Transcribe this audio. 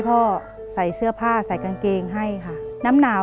เปลี่ยนเพลงเพลงเก่งของคุณและข้ามผิดได้๑คำ